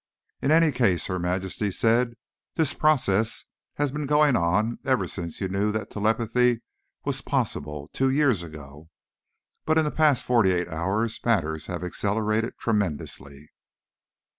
"In any case," Her Majesty said, "this process has been going on ever since you knew that telepathy was possible, two years ago. But in the past forty eight hours matters have accelerated tremendously."